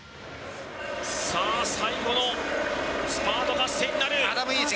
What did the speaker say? さあ、最後のスパート合戦になる。